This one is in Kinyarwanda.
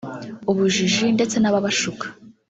ubujiji ndetse n’ababashuka